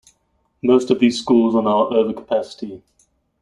Most of these schools are now over-capacity.